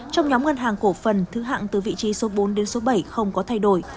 trong nhóm ngân hàng cổ phần thứ hạng từ vị trí số bốn đến số bảy không có thay đổi